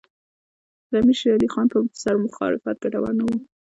د امیر شېر علي خان پر سر مخالفت ګټور نه وو.